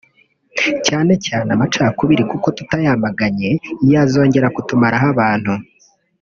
cyane cyane amacakubiri kuko tutayamaganye yazongera kutumaraho abantu